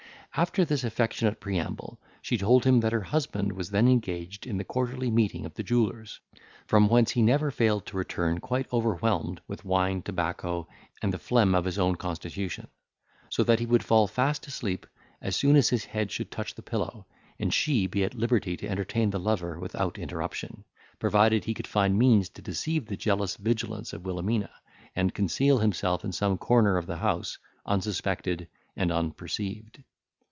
After this affectionate preamble, she told him that her husband was then engaged in a quarterly meeting of the jewellers, from whence he never failed to return quite overwhelmed with wine, tobacco, and the phlegm of his own constitution; so that he would fall fast asleep as soon as his head should touch the pillow, and she be at liberty to entertain the lover without interruption, provided he could find means to deceive the jealous vigilance of Wilhelmina, and conceal himself in some corner of the house, unsuspected and unperceived.